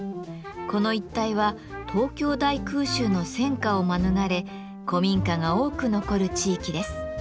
この一帯は東京大空襲の戦火を免れ古民家が多く残る地域です。